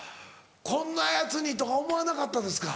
「こんなヤツに」とか思わなかったですか？